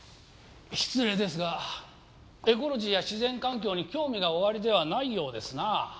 失礼ですがエコロジーや自然環境に興味がおありではないようですなぁ。